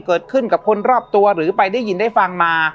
เกิดขึ้นกับคนรอบตัวหรือไปได้ยินได้ฟังมา